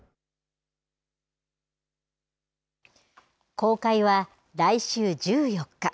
公開は来週１４日。